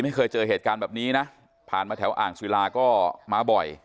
ไม่เคยเจอเหตุการณ์แบบนี้นะผ่านมาแถวอ่างศิลาก็มาบ่อย